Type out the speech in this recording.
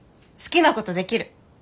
好きなことできる。